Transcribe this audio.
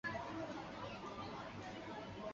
别海町为日本北海道根室振兴局野付郡的町。